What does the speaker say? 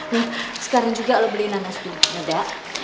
nah sekarang juga lo beli nanas muda